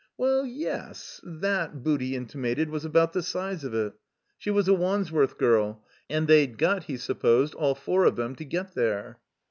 Well, yes; that, Booty intimated, was about the size of it. She was a Wandsworth girl, and they'd got, he supposed, all four of them, to get there.